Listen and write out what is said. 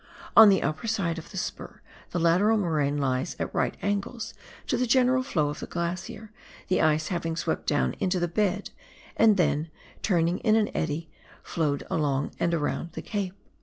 On the upper side of the spur the lateral moraine lies at right angles to the general flow of the glacier, the ice having swept down into the bend, and then, turning in an eddy, flowed along and round the cape.